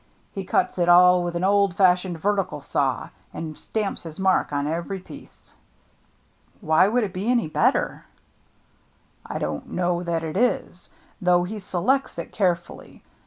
He cuts it all with an old fashioned vertical saw, and stamps his mark on every piece." "Why should it be any better ?"" I don't know that it is, though he selects it carefully.